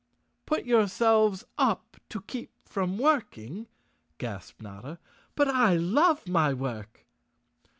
"Put yourselves up to keep from working," gasped Notta. "But I love my work!"